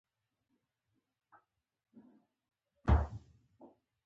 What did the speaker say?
هغه د خپل خر سره نرم چلند کاوه.